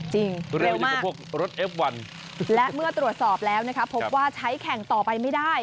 จริงเร็วมากและเมื่อตรวจสอบแล้วนะครับพบว่าใช้แข่งต่อไปไม่ได้